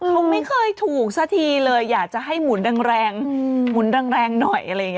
เขาไม่เคยถูกสักทีเลยอยากจะให้หมุนแรงหมุนแรงหน่อยอะไรอย่างนี้